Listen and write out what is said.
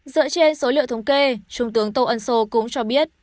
dựa trên số liệu thống kê trung tướng tô ân sô cũng cho biết